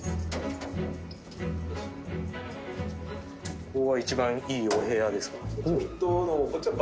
ここが一番いいお部屋ですか？